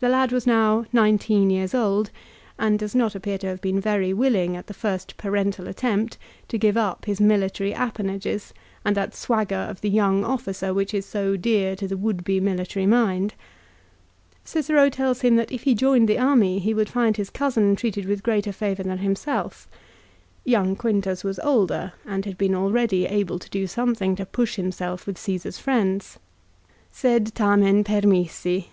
The lad was now nineteen years old, and does not appear to have been willing, at the first parental attempt, to give up his military appanages and that swagger of the young officer which is so dear to the would be military mind. Cicero tells him that if he joined the army 1 Ad Att. lib. xii. 7. MARCELLUS, LIGARIUS, AND DEIOTARUS. 187 he would find his cousin treated with greater favour than himself. Young Quintus was older, and had been already able to do something to push himself with Caesar's friends. " Sed tarnen permisi."